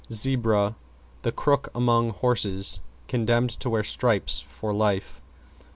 =ZEBRA= The crook among horses, condemned to wear stripes for life.